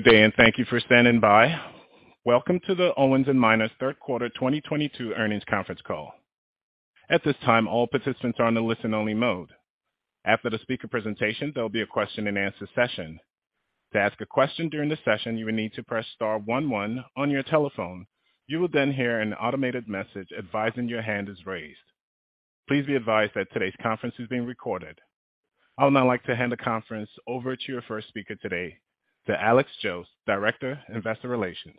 Good day, and thank you for standing by. Welcome to the Owens & Minor third quarter 2022 earnings conference call. At this time, all participants are on the listen only mode. After the speaker presentation, there'll be a question and answer session. To ask a question during the session, you will need to press star one one on your telephone. You will then hear an automated message advising your hand is raised. Please be advised that today's conference is being recorded. I would now like to hand the conference over to your first speaker today, to Alex Jost, Director, Investor Relations.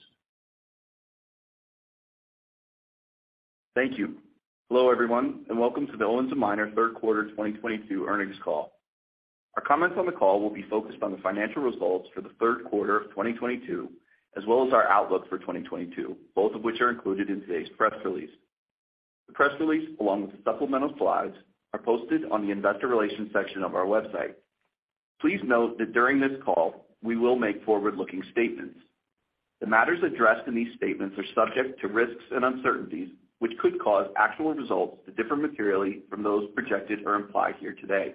Thank you. Hello, everyone, and welcome to the Owens & Minor third quarter 2022 earnings call. Our comments on the call will be focused on the financial results for the third quarter of 2022, as well as our outlook for 2022, both of which are included in today's press release. The press release, along with the supplemental slides, are posted on the investor relations section of our website. Please note that during this call we will make forward-looking statements. The matters addressed in these statements are subject to risks and uncertainties, which could cause actual results to differ materially from those projected or implied here today.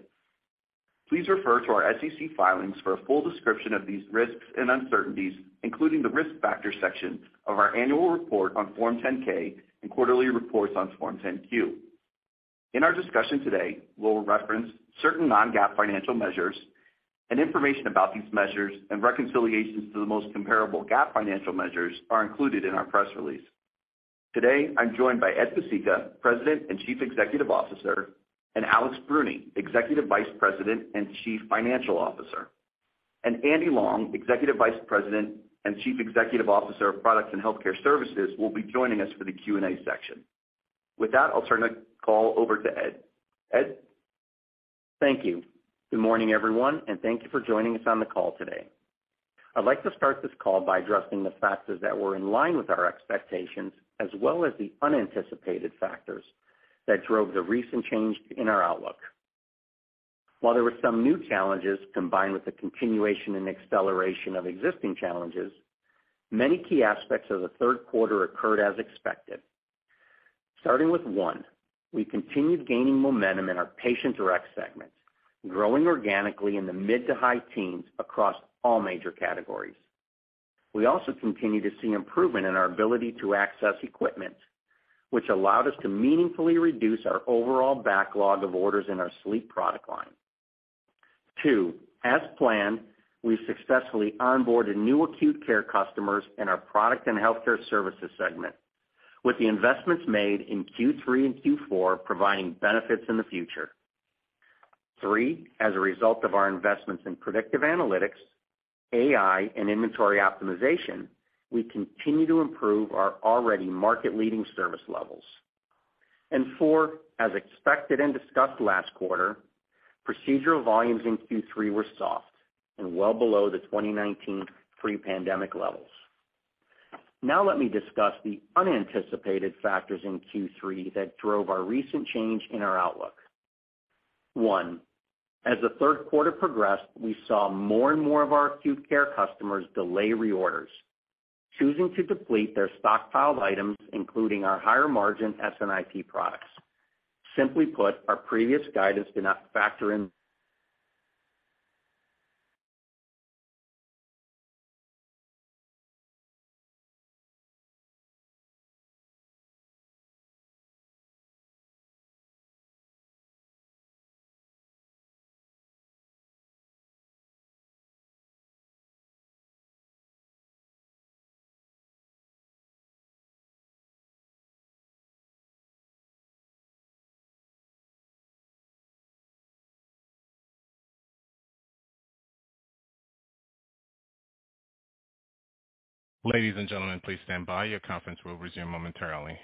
Please refer to our SEC filings for a full description of these risks and uncertainties, including the risk factor section of our annual report on Form 10-K and quarterly reports on Form 10-Q. In our discussion today, we'll reference certain non-GAAP financial measures and information about these measures and reconciliations to the most comparable GAAP financial measures are included in our press release. Today I'm joined by Ed Pesicka, President and Chief Executive Officer, and Alex Bruni, Executive Vice President and Chief Financial Officer. Andy Long, Executive Vice President and Chief Executive Officer of Products and Healthcare Services, will be joining us for the Q&A section. With that, I'll turn the call over to Ed. Ed? Thank you. Good morning, everyone, and thank you for joining us on the call today. I'd like to start this call by addressing the factors that were in line with our expectations, as well as the unanticipated factors that drove the recent change in our outlook. While there were some new challenges, combined with the continuation and acceleration of existing challenges, many key aspects of the third quarter occurred as expected. Starting with one, we continued gaining momentum in our Patient Direct segment, growing organically in the mid to high teens across all major categories. We also continue to see improvement in our ability to access equipment, which allowed us to meaningfully reduce our overall backlog of orders in our sleep product line. Two, as planned, we successfully onboarded new acute care customers in our Products and Healthcare Services segment, with the investments made in Q3 and Q4 providing benefits in the future. Three, as a result of our investments in predictive analytics, AI, and inventory optimization, we continue to improve our already market-leading service levels. Four, as expected and discussed last quarter, procedural volumes in Q3 were soft and well below the 2019 pre-pandemic levels. Now let me discuss the unanticipated factors in Q3 that drove our recent change in our outlook. One, as the third quarter progressed, we saw more and more of our acute care customers delay reorders, choosing to deplete their stockpiled items, including our higher margin S&IP products. Simply put, our previous guidance did not factor in. Ladies and gentlemen, please stand by. Your conference will resume momentarily.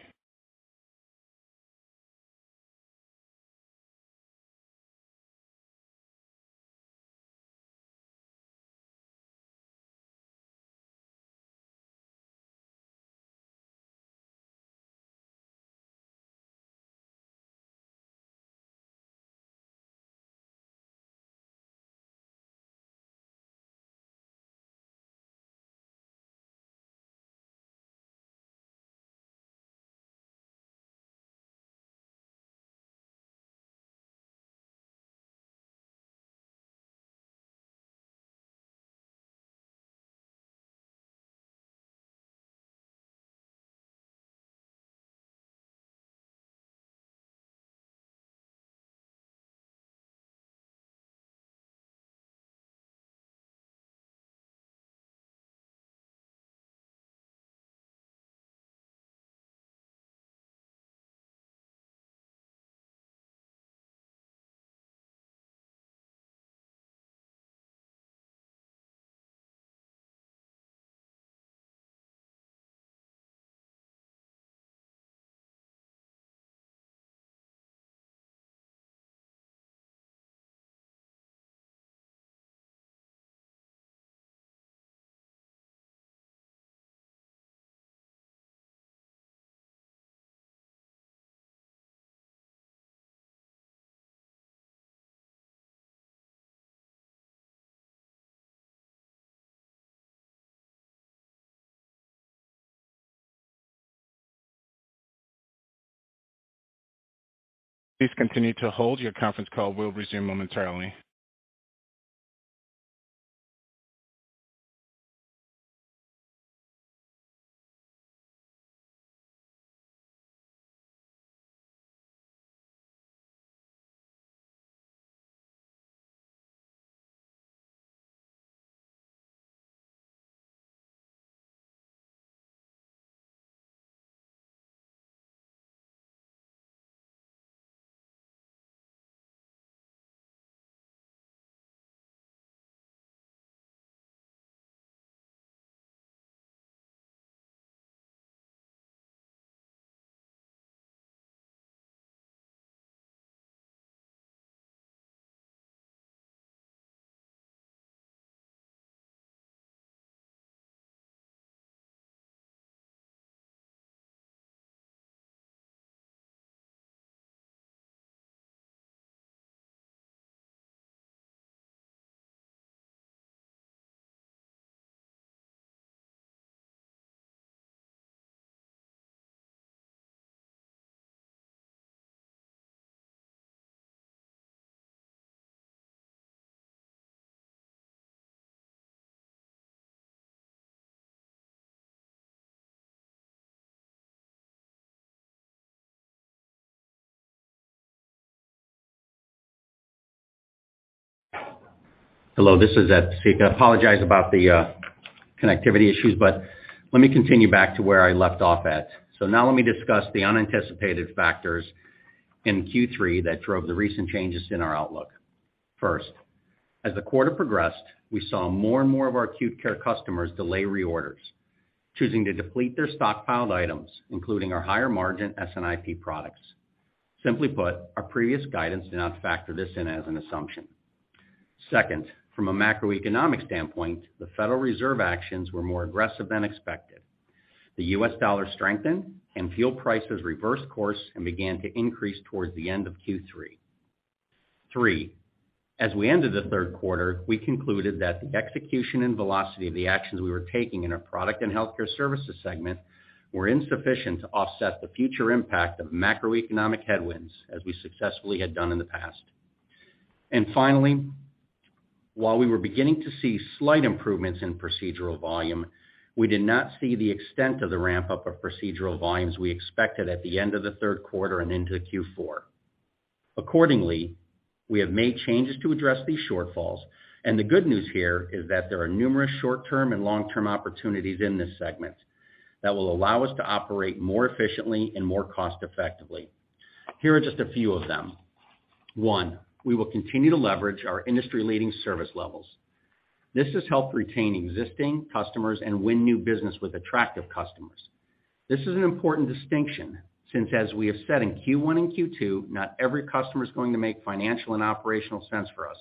Please continue to hold. Your conference call will resume momentarily. Hello, this is Ed Pesicka. I apologize about the connectivity issues, but let me continue back to where I left off at. Now let me discuss the unanticipated factors in Q3 that drove the recent changes in our outlook. First, as the quarter progressed, we saw more and more of our acute care customers delay reorders, choosing to deplete their stockpiled items, including our higher margin S&IP products. Simply put, our previous guidance did not factor this in as an assumption. Second, from a macroeconomic standpoint, the Federal Reserve actions were more aggressive than expected. The U.S. dollar strengthened and fuel prices reversed course and began to increase towards the end of Q3. Three, as we ended the third quarter, we concluded that the execution and velocity of the actions we were taking in our product and healthcare services segment were insufficient to offset the future impact of macroeconomic headwinds as we successfully had done in the past. Finally, while we were beginning to see slight improvements in procedural volume, we did not see the extent of the ramp-up of procedural volumes we expected at the end of the third quarter and into Q4. Accordingly, we have made changes to address these shortfalls, and the good news here is that there are numerous short-term and long-term opportunities in this segment that will allow us to operate more efficiently and more cost effectively. Here are just a few of them. One, we will continue to leverage our industry-leading service levels. This has helped retain existing customers and win new business with attractive customers. This is an important distinction since, as we have said in Q1 and Q2, not every customer is going to make financial and operational sense for us.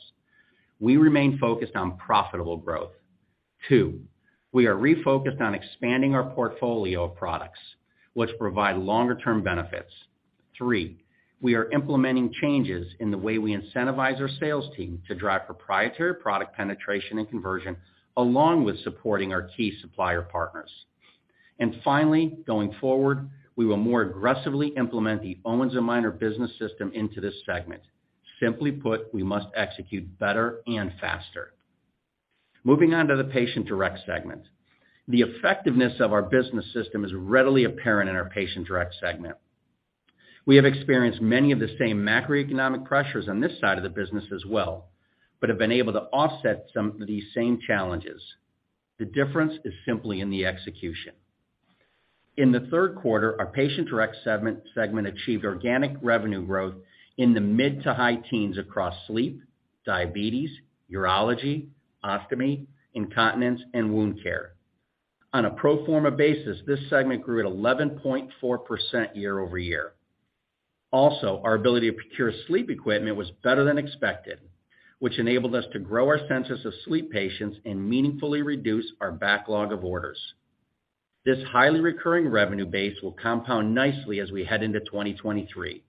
We remain focused on profitable growth. Two, we are refocused on expanding our portfolio of products which provide longer term benefits. Three, we are implementing changes in the way we incentivize our sales team to drive proprietary product penetration and conversion along with supporting our key supplier partners. And finally, going forward, we will more aggressively implement the Owens & Minor Business System into this segment. Simply put, we must execute better and faster. Moving on to the Patient Direct segment. The effectiveness of our business system is readily apparent in our Patient Direct segment. We have experienced many of the same macroeconomic pressures on this side of the business as well, but have been able to offset some of these same challenges. The difference is simply in the execution. In the third quarter, our Patient Direct segment achieved organic revenue growth in the mid to high teens across sleep, diabetes, urology, ostomy, incontinence and wound care. On a pro forma basis, this segment grew at 11.4% year-over-year. Also, our ability to procure sleep equipment was better than expected, which enabled us to grow our census of sleep patients and meaningfully reduce our backlog of orders. This highly recurring revenue base will compound nicely as we head into 2023.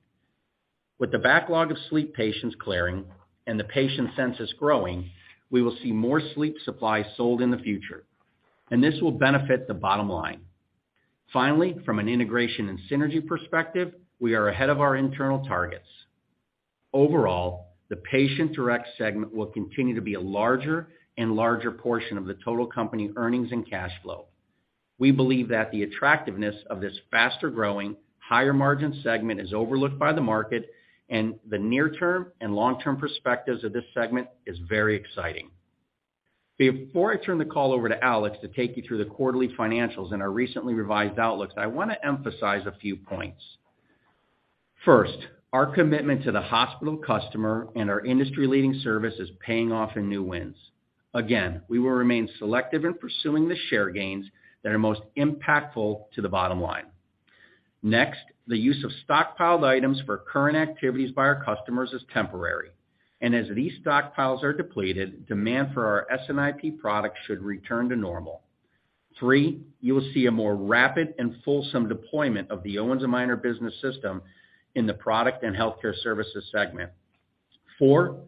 With the backlog of sleep patients clearing and the patient census growing, we will see more sleep supplies sold in the future, and this will benefit the bottom line. Finally, from an integration and synergy perspective, we are ahead of our internal targets. Overall, the Patient Direct segment will continue to be a larger and larger portion of the total company earnings and cash flow. We believe that the attractiveness of this faster-growing, higher-margin segment is overlooked by the market, and the near-term and long-term perspectives of this segment is very exciting. Before I turn the call over to Alex to take you through the quarterly financials and our recently revised outlooks, I want to emphasize a few points. First, our commitment to the hospital customer and our industry-leading service is paying off in new wins. Again, we will remain selective in pursuing the share gains that are most impactful to the bottom line. Next, the use of stockpiled items for current activities by our customers is temporary, and as these stockpiles are depleted, demand for our S&IP products should return to normal. 3, you will see a more rapid and fulsome deployment of the Owens & Minor Business System in the Products & Healthcare Services segment. 4,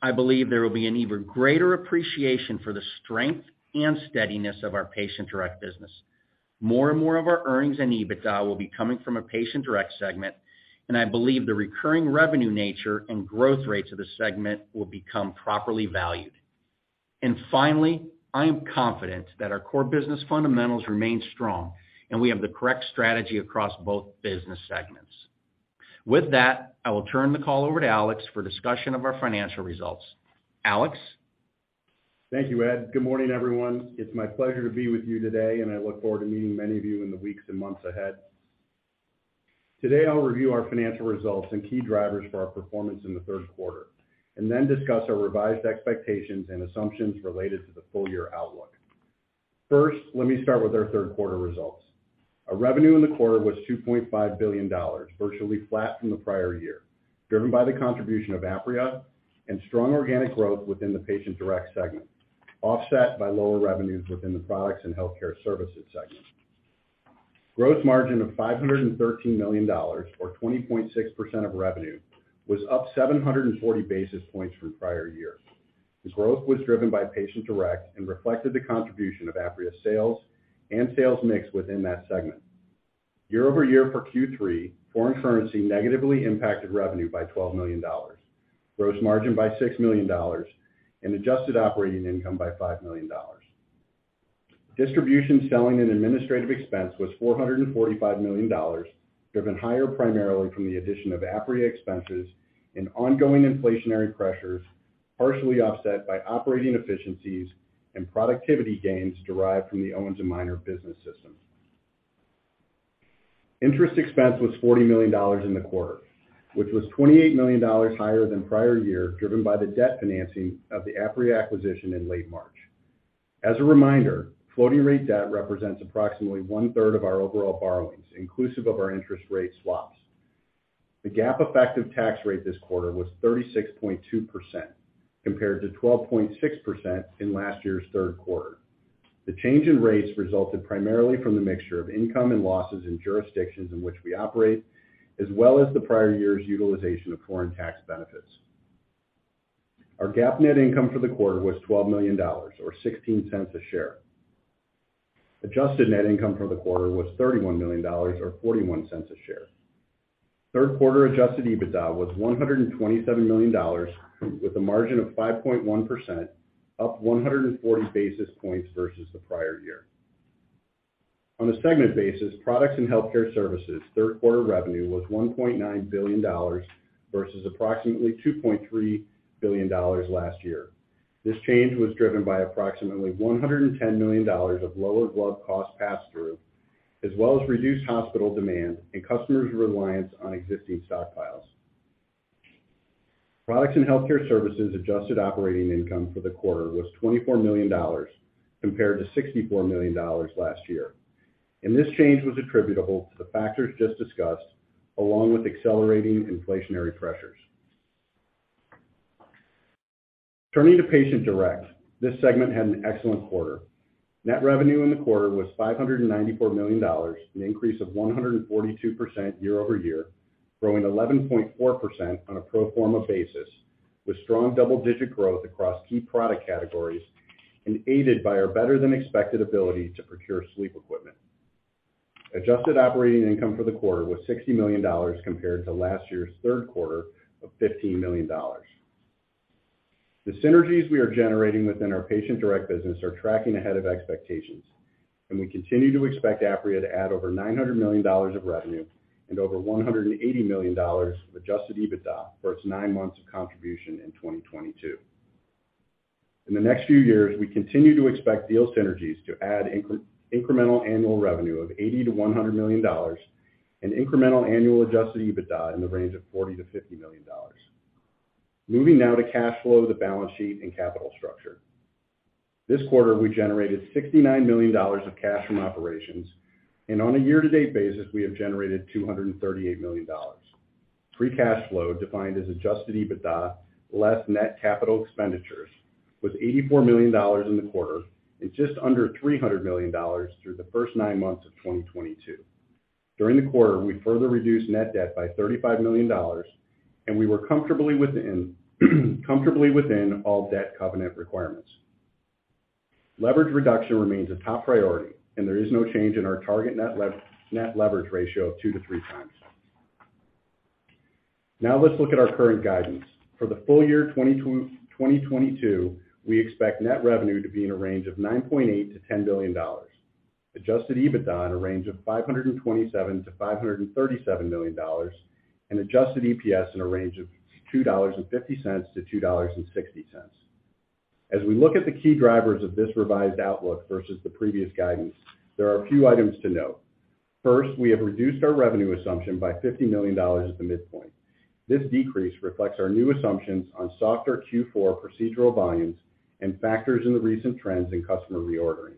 I believe there will be an even greater appreciation for the strength and steadiness of our Patient Direct business. More and more of our earnings and EBITDA will be coming from a Patient Direct segment, and I believe the recurring revenue nature and growth rates of the segment will become properly valued. Finally, I am confident that our core business fundamentals remain strong, and we have the correct strategy across both business segments. With that, I will turn the call over to Alex for discussion of our financial results. Alex? Thank you, Ed. Good morning, everyone. It's my pleasure to be with you today, and I look forward to meeting many of you in the weeks and months ahead. Today, I'll review our financial results and key drivers for our performance in the third quarter and then discuss our revised expectations and assumptions related to the full-year outlook. First, let me start with our third quarter results. Our revenue in the quarter was $2.5 billion, virtually flat from the prior year, driven by the contribution of Apria and strong organic growth within the Patient Direct segment, offset by lower revenues within the Products & Healthcare Services segment. Gross margin of $513 million or 20.6% of revenue was up 740 basis points from prior year. This growth was driven by Patient Direct and reflected the contribution of Apria sales and sales mix within that segment. Year-over-year for Q3, foreign currency negatively impacted revenue by $12 million, gross margin by $6 million, and adjusted operating income by $5 million. Distribution, selling and administrative expense was $445 million, driven higher primarily from the addition of Apria expenses and ongoing inflationary pressures, partially offset by operating efficiencies and productivity gains derived from the Owens & Minor Business System. Interest expense was $40 million in the quarter, which was $28 million higher than prior year, driven by the debt financing of the Apria acquisition in late March. As a reminder, floating rate debt represents approximately 1/3 of our overall borrowings, inclusive of our interest rate swaps. The GAAP effective tax rate this quarter was 36.2% compared to 12.6% in last year's third quarter. The change in rates resulted primarily from the mixture of income and losses in jurisdictions in which we operate, as well as the prior year's utilization of foreign tax benefits. Our GAAP net income for the quarter was $12 million or $0.16 a share. Adjusted net income for the quarter was $31 million or $0.41 a share. Third quarter Adjusted EBITDA was $127 million with a margin of 5.1%, up 140 basis points versus the prior year. On a segment basis, Products & Healthcare Services third quarter revenue was $1.9 billion versus approximately $2.3 billion last year. This change was driven by approximately $110 million of lower glove cost pass-through, as well as reduced hospital demand and customers' reliance on existing stockpiles. Products & Healthcare Services adjusted operating income for the quarter was $24 million compared to $64 million last year, and this change was attributable to the factors just discussed, along with accelerating inflationary pressures. Turning to Patient Direct, this segment had an excellent quarter. Net revenue in the quarter was $594 million, an increase of 142% year-over-year, growing 11.4% on a pro forma basis, with strong double-digit growth across key product categories and aided by our better-than-expected ability to procure sleep equipment. Adjusted operating income for the quarter was $60 million compared to last year's third quarter of $15 million. The synergies we are generating within our Patient Direct business are tracking ahead of expectations, and we continue to expect Apria to add over $900 million of revenue and over $180 million of Adjusted EBITDA for its nine months of contribution in 2022. In the next few years, we continue to expect deal synergies to add incremental annual revenue of $80-$100 million and incremental annual Adjusted EBITDA in the range of $40-$50 million. Moving now to cash flow, the balance sheet and capital structure. This quarter, we generated $69 million of cash from operations, and on a year-to-date basis, we have generated $238 million. Free cash flow, defined as Adjusted EBITDA less net capital expenditures, was $84 million in the quarter and just under $300 million through the first nine months of 2022. During the quarter, we further reduced net debt by $35 million, and we were comfortably within all debt covenant requirements. Leverage reduction remains a top priority, and there is no change in our target net leverage ratio of 2-3x. Now let's look at our current guidance. For the full year 2022, we expect net revenue to be in a range of $9.8 billion-$10 billion, Adjusted EBITDA in a range of $527 million-$537 million, and adjusted EPS in a range of $2.50-$2.60. As we look at the key drivers of this revised outlook versus the previous guidance, there are a few items to note. First, we have reduced our revenue assumption by $50 million at the midpoint. This decrease reflects our new assumptions on softer Q4 procedural volumes and factors in the recent trends in customer reordering.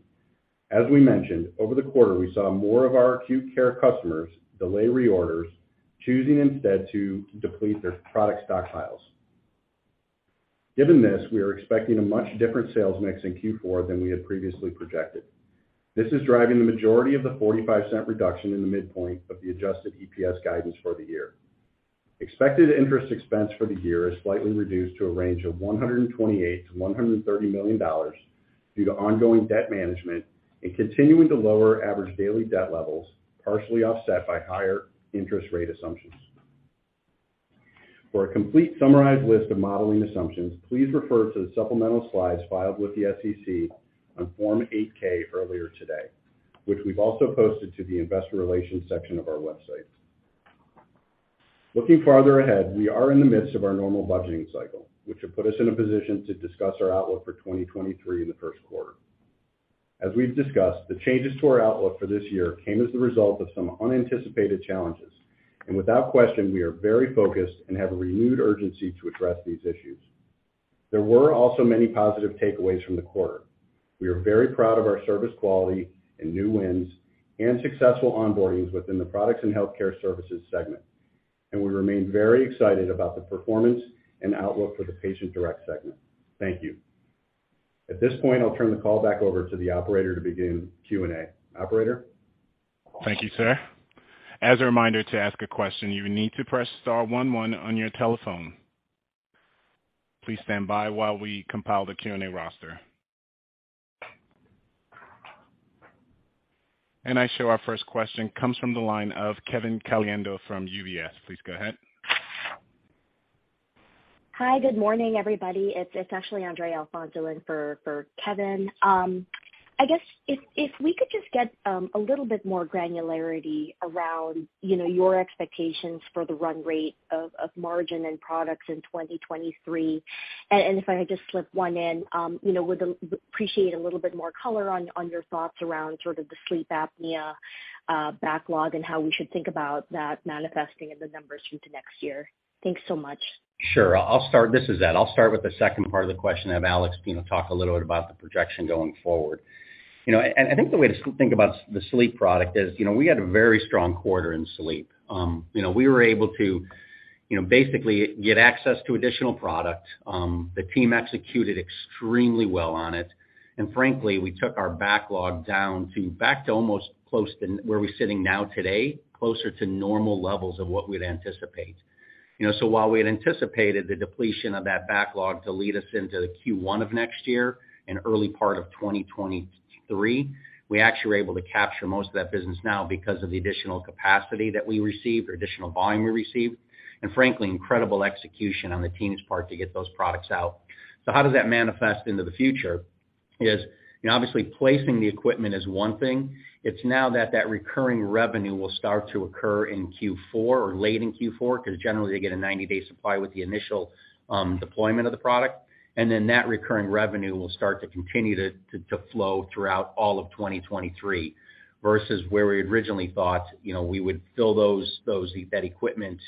As we mentioned, over the quarter, we saw more of our acute care customers delay reorders, choosing instead to deplete their product stockpiles. Given this, we are expecting a much different sales mix in Q4 than we had previously projected. This is driving the majority of the $0.45 reduction in the midpoint of the adjusted EPS guidance for the year. Expected interest expense for the year is slightly reduced to a range of $128 million-$130 million due to ongoing debt management and continuing to lower average daily debt levels, partially offset by higher interest rate assumptions. For a complete summarized list of modeling assumptions, please refer to the supplemental slides filed with the SEC on Form 8-K earlier today, which we've also posted to the investor relations section of our website. Looking farther ahead, we are in the midst of our normal budgeting cycle, which will put us in a position to discuss our outlook for 2023 in the first quarter. As we've discussed, the changes to our outlook for this year came as the result of some unanticipated challenges, and without question, we are very focused and have a renewed urgency to address these issues. There were also many positive takeaways from the quarter. We are very proud of our service quality and new wins and successful onboardings within the Products & Healthcare Services segment, and we remain very excited about the performance and outlook for the Patient Direct segment. Thank you. At this point, I'll turn the call back over to the operator to begin Q&A. Operator? Thank you, sir. As a reminder to ask a question, you need to press star one one on your telephone. Please stand by while we compile the Q&A roster. Our first question comes from the line of Kevin Caliendo from UBS. Please go ahead. Hi. Good morning, everybody. It's actually Andrea Alfonso for Kevin. I guess if we could just get a little bit more granularity around, you know, your expectations for the run rate of margin and products in 2023. If I could just slip one in, you know, would appreciate a little bit more color on your thoughts around sort of the sleep apnea backlog and how we should think about that manifesting in the numbers into next year. Thanks so much. Sure. I'll start. This is Ed. I'll start with the second part of the question and have Alex, you know, talk a little bit about the projection going forward. You know, and I think the way to think about the sleep product is, you know, we had a very strong quarter in sleep. You know, we were able to, you know, basically get access to additional product. The team executed extremely well on it, and frankly, we took our backlog down back to almost close to where we're sitting now today, closer to normal levels of what we'd anticipate. You know, while we had anticipated the depletion of that backlog to lead us into Q1 of next year and early part of 2023, we actually were able to capture most of that business now because of the additional capacity that we received or additional volume we received, and frankly, incredible execution on the team's part to get those products out. How does that manifest into the future is obviously placing the equipment is one thing. It's now that recurring revenue will start to occur in Q4 or late in Q4, 'cause generally they get a 90-day supply with the initial deployment of the product. that recurring revenue will start to continue to flow throughout all of 2023 versus where we originally thought, you know, we would fill those equipment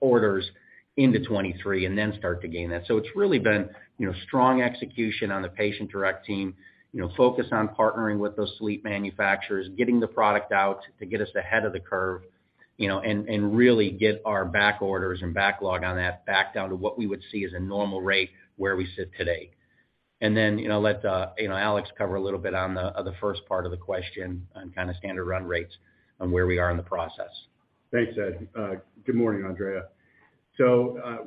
orders into 2023 and then start to gain that. So it's really been, you know, strong execution on the Patient Direct team, you know, focused on partnering with those sleep manufacturers, getting the product out to get us ahead of the curve, you know, and really get our back orders and backlog on that back down to what we would see as a normal rate where we sit today. you know, let Alex cover a little bit on the first part of the question on kind of standard run rates on where we are in the process. Thanks, Ed. Good morning, Andrea.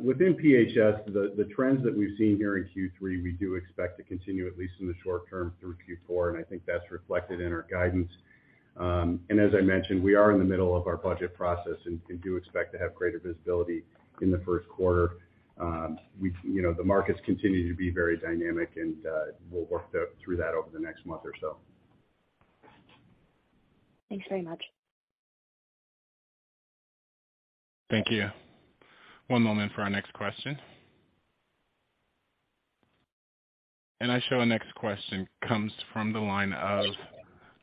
Within PHS, the trends that we've seen here in Q3, we do expect to continue at least in the short term through Q4, and I think that's reflected in our guidance. As I mentioned, we are in the middle of our budget process and do expect to have greater visibility in the first quarter. You know, the markets continue to be very dynamic, and we'll work that through over the next month or so. Thanks very much. Thank you. One moment for our next question. I show our next question comes from the line of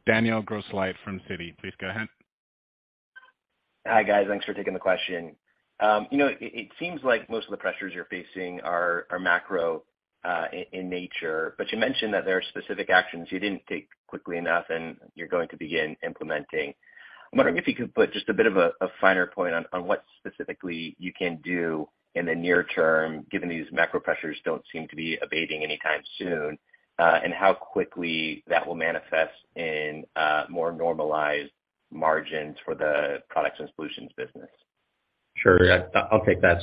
Daniel Grosslight from Citi. Please go ahead. Hi, guys. Thanks for taking the question. You know, it seems like most of the pressures you're facing are macro in nature, but you mentioned that there are specific actions you didn't take quickly enough and you're going to begin implementing. I'm wondering if you could put just a bit of a finer point on what specifically you can do in the near term, given these macro pressures don't seem to be abating anytime soon, and how quickly that will manifest in more normalized margins for the products and solutions business. Sure. Yeah, I'll take that.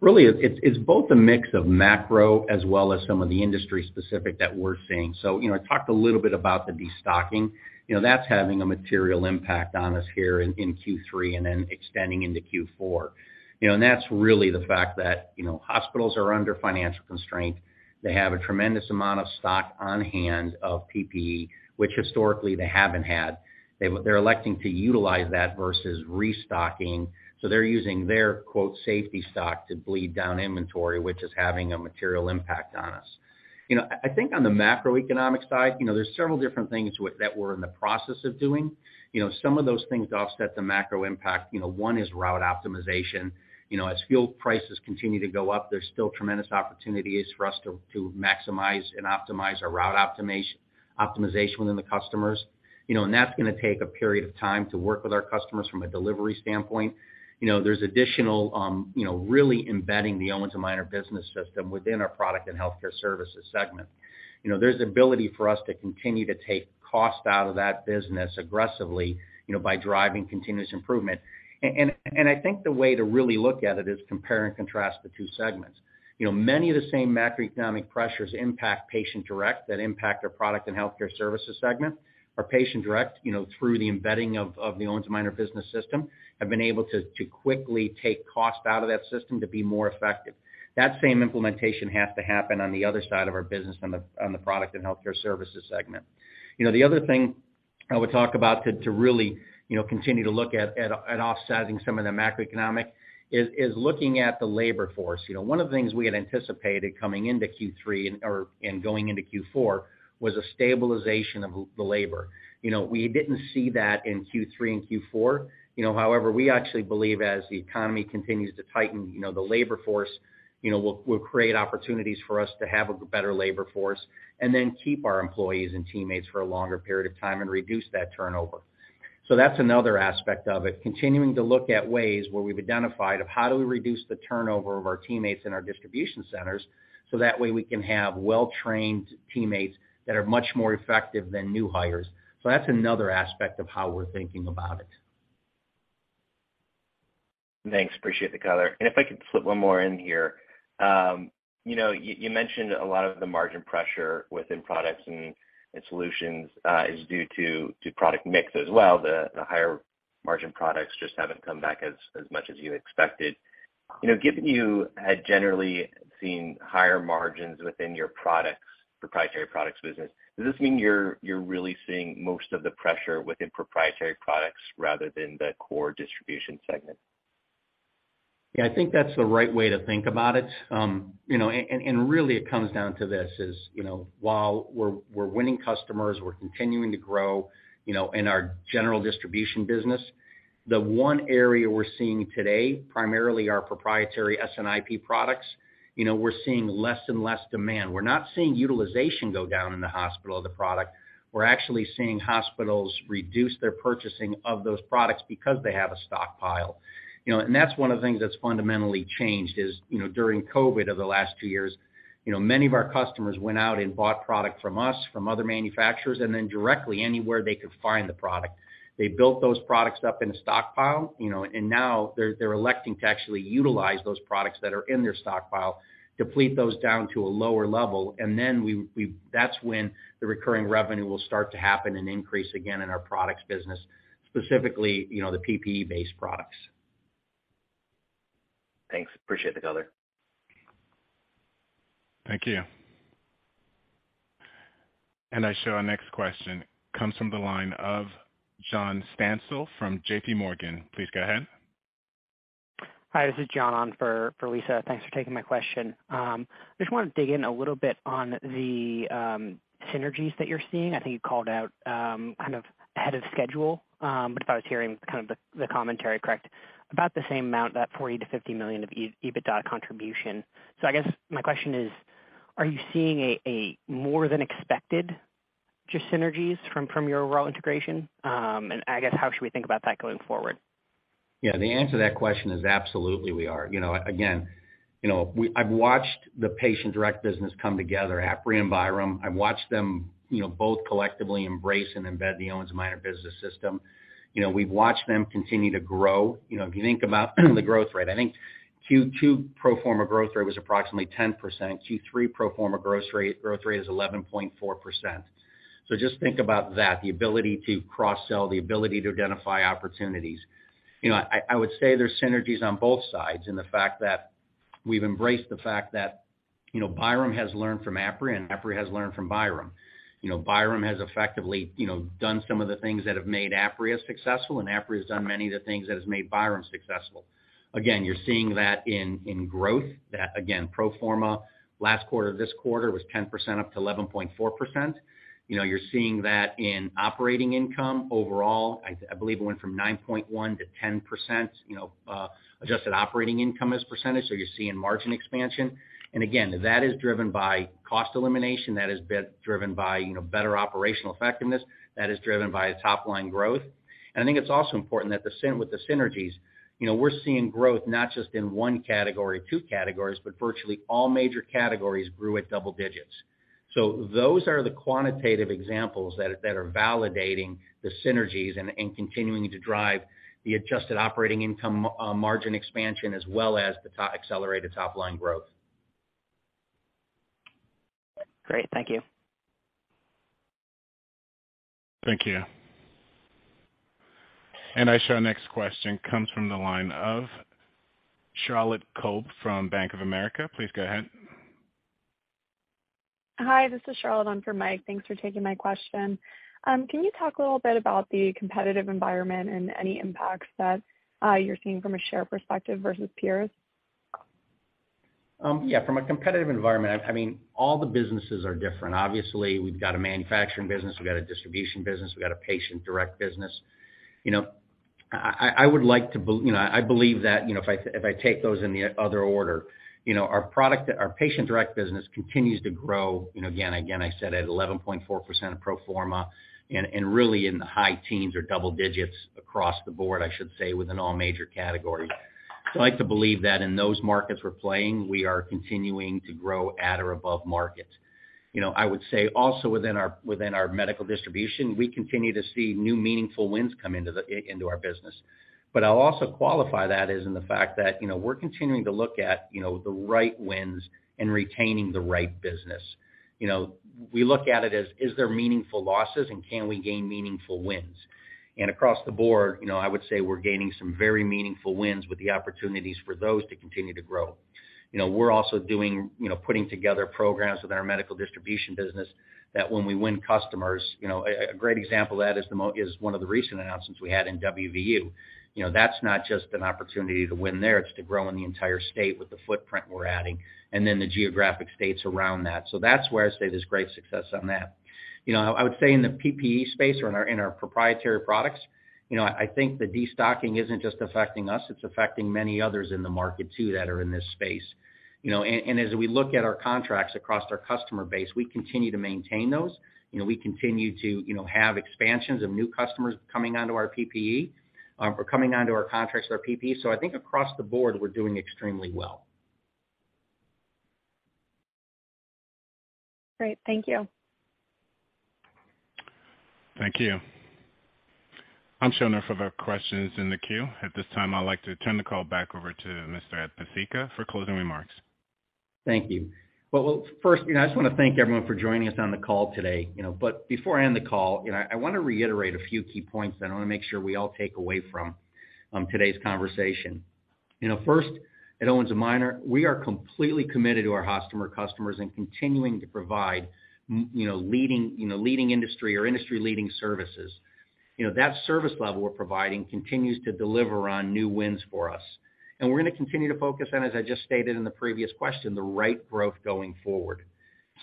Really it's both a mix of macro as well as some of the industry specific that we're seeing. You know, I talked a little bit about the destocking. You know, that's having a material impact on us here in Q3 and then extending into Q4. You know, and that's really the fact that, you know, hospitals are under financial constraint. They have a tremendous amount of stock on hand of PPE, which historically they haven't had. They're electing to utilize that versus restocking. They're using their, quote, safety stock to bleed down inventory, which is having a material impact on us. You know, I think on the macroeconomic side, you know, there's several different things with that we're in the process of doing. You know, some of those things offset the macro impact. You know, one is route optimization. You know, as fuel prices continue to go up, there's still tremendous opportunities for us to maximize and optimize our route optimization within the customers, you know, and that's gonna take a period of time to work with our customers from a delivery standpoint. You know, there's additional, you know, really embedding the Owens & Minor Business System within our Products & Healthcare Services segment. You know, there's ability for us to continue to take cost out of that business aggressively, you know, by driving continuous improvement. I think the way to really look at it is compare and contrast the two segments. You know, many of the same macroeconomic pressures impact Patient Direct that impact our Products & Healthcare Services segment. Our Patient Direct, you know, through the embedding of the Owens & Minor Business System, have been able to quickly take cost out of that system to be more effective. That same implementation has to happen on the other side of our business on the Products & Healthcare Services segment. You know, the other thing I would talk about to really, you know, continue to look at offsetting some of the macroeconomic is looking at the labor force. You know, one of the things we had anticipated coming into Q3 and going into Q4 was a stabilization of the labor. You know, we didn't see that in Q3 and Q4. You know, however, we actually believe as the economy continues to tighten, you know, the labor force, you know, will create opportunities for us to have a better labor force and then keep our employees and teammates for a longer period of time and reduce that turnover. That's another aspect of it, continuing to look at ways where we've identified of how do we reduce the turnover of our teammates in our distribution centers so that way we can have well-trained teammates that are much more effective than new hires. That's another aspect of how we're thinking about it. Thanks. Appreciate the color. If I could slip one more in here. You know, you mentioned a lot of the margin pressure within products and solutions is due to product mix as well. The higher margin products just haven't come back as much as you expected. You know, given you had generally seen higher margins within your proprietary products business, does this mean you're really seeing most of the pressure within proprietary products rather than the core distribution segment? Yeah. I think that's the right way to think about it. You know, and really it comes down to this, you know, while we're winning customers, we're continuing to grow, you know, in our general distribution business, the one area we're seeing today, primarily our proprietary S&IP products, you know, we're seeing less and less demand. We're not seeing utilization go down in the hospital of the product. We're actually seeing hospitals reduce their purchasing of those products because they have a stockpile, you know. That's one of the things that's fundamentally changed, you know, during COVID over the last two years, you know, many of our customers went out and bought product from us, from other manufacturers, and then directly anywhere they could find the product. They built those products up in a stockpile, you know, and now they're electing to actually utilize those products that are in their stockpile, deplete those down to a lower level, and then that's when the recurring revenue will start to happen and increase again in our products business, specifically, you know, the PPE-based products. Thanks. Appreciate the color. Thank you. I show our next question comes from the line of John Stansel from J.P. Morgan. Please go ahead. Hi, this is John on for Lisa. Thanks for taking my question. I just wanna dig in a little bit on the synergies that you're seeing. I think you called out kind of ahead of schedule, but if I was hearing kind of the commentary correct, about the same amount, that $40 million-$50 million of EBITDA contribution. I guess my question is, are you seeing a more than expected just synergies from your overall integration? I guess, how should we think about that going forward? Yeah. The answer to that question is absolutely, we are. You know, again, you know, I've watched the Patient Direct business come together, Apria and Byram. I've watched them, you know, both collectively embrace and embed the Owens & Minor business system. You know, we've watched them continue to grow. You know, if you think about the growth rate, I think Q2 pro forma growth rate was approximately 10%. Q3 pro forma growth rate is 11.4%. Just think about that, the ability to cross-sell, the ability to identify opportunities. You know, I would say there's synergies on both sides, and the fact that we've embraced the fact that, you know, Byram has learned from Apria and Apria has learned from Byram. You know, Byram has effectively, you know, done some of the things that have made Apria successful, and Apria has done many of the things that has made Byram successful. Again, you're seeing that in growth, that again, pro forma last quarter, this quarter was 10% up to 11.4%. You know, you're seeing that in operating income overall. I believe it went from 9.1% to 10%, you know, adjusted operating income as percentage. So you're seeing margin expansion. Again, that is driven by cost elimination. That has been driven by, you know, better operational effectiveness. That is driven by top-line growth. I think it's also important that with the synergies, you know, we're seeing growth not just in one category, two categories, but virtually all major categories grew at double digits. Those are the quantitative examples that are validating the synergies and continuing to drive the adjusted operating income margin expansion as well as the accelerated top-line growth. Great. Thank you. Thank you. I show our next question comes from the line of Joanna Gajuk from Bank of America. Please go ahead. Hi, this is Joanna Gajuk on for Michael Cherny. Thanks for taking my question. Can you talk a little bit about the competitive environment and any impacts that, you're seeing from a share perspective versus peers? Yeah, from a competitive environment, I mean, all the businesses are different. Obviously, we've got a manufacturing business, we've got a distribution business, we've got a Patient Direct business. I believe that, you know, if I take those in the other order, you know, our Patient Direct business continues to grow, you know, again, I said at 11.4% of pro forma and really in the high teens or double digits across the board, I should say, within all major categories. I like to believe that in those markets we're playing, we are continuing to grow at or above market. You know, I would say also within our medical distribution, we continue to see new meaningful wins come into our business. But I'll also qualify that is in the fact that, you know, we're continuing to look at, you know, the right wins and retaining the right business. You know, we look at it as is there meaningful losses, and can we gain meaningful wins? Across the board, you know, I would say we're gaining some very meaningful wins with the opportunities for those to continue to grow. You know, we're also doing, you know, putting together programs with our medical distribution business that when we win customers, you know. A great example of that is one of the recent announcements we had in WVU. You know, that's not just an opportunity to win there, it's to grow in the entire state with the footprint we're adding and then the geographic states around that. That's where I say there's great success on that. You know, I would say in the PPE space or in our proprietary products, you know, I think the destocking isn't just affecting us, it's affecting many others in the market too, that are in this space. You know, as we look at our contracts across our customer base, we continue to maintain those. You know, we continue to have expansions of new customers coming onto our PPE or coming onto our contracts for our PPE. I think across the board, we're doing extremely well. Great. Thank you. Thank you. I'm showing no further questions in the queue. At this time, I'd like to turn the call back over to Mr. Pesicka for closing remarks. Thank you. Well, first, you know, I just wanna thank everyone for joining us on the call today, you know. Before I end the call, you know, I wanna reiterate a few key points that I wanna make sure we all take away from today's conversation. You know, first, at Owens & Minor, we are completely committed to our customers and continuing to provide industry-leading services. You know, that service level we're providing continues to deliver on new wins for us. We're gonna continue to focus on, as I just stated in the previous question, the right growth going forward.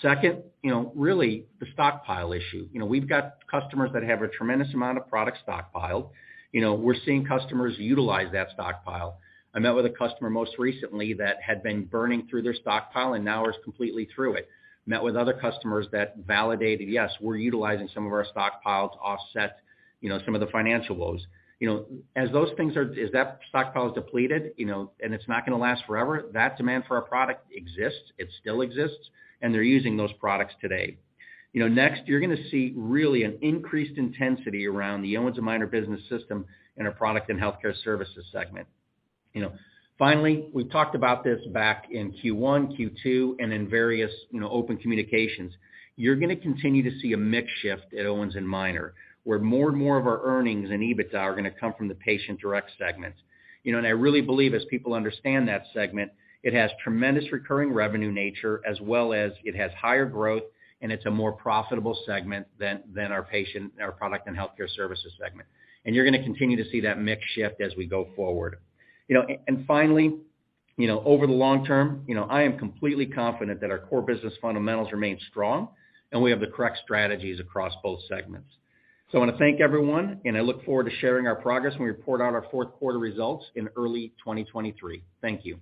Second, you know, really the stockpile issue. You know, we've got customers that have a tremendous amount of product stockpiled. You know, we're seeing customers utilize that stockpile. I met with a customer most recently that had been burning through their stockpile and now is completely through it. Met with other customers that validated, yes, we're utilizing some of our stockpile to offset, you know, some of the financial woes. You know, as that stockpile is depleted, you know, and it's not gonna last forever, that demand for our product exists. It still exists, and they're using those products today. You know, next, you're gonna see really an increased intensity around the Owens & Minor Business System and our Products & Healthcare Services segment, you know. Finally, we've talked about this back in Q1, Q2, and in various, you know, open communications. You're gonna continue to see a mix shift at Owens & Minor, where more and more of our earnings and EBITDA are gonna come from the Patient Direct segment. You know, I really believe as people understand that segment, it has tremendous recurring revenue nature as well as it has higher growth, and it's a more profitable segment than our Products & Healthcare Services segment. You're gonna continue to see that mix shift as we go forward. You know, and finally, you know, over the long term, you know, I am completely confident that our core business fundamentals remain strong, and we have the correct strategies across both segments. I wanna thank everyone, and I look forward to sharing our progress when we report our fourth quarter results in early 2023. Thank you.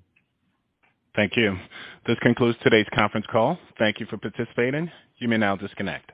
Thank you. This concludes today's conference call. Thank you for participating. You may now disconnect.